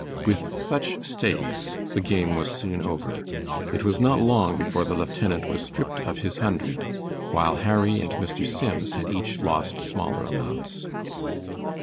With such stakes the game was soon over. It was not long before the lieutenant was stripped of his hundred, while Harry and Mr. Sims had each lost smaller amounts.